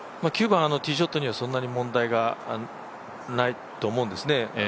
９番、ティーショットにはそんなに問題がないと思うんですね